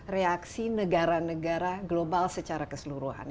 reaksi negara negara global secara keseluruhan